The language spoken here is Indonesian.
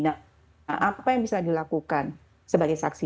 nah apa yang bisa dilakukan sebagai saksi